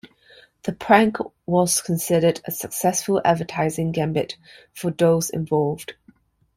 The prank was considered a successful advertising gambit by those involved.